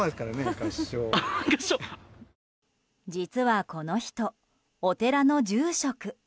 実は、この人お寺の住職。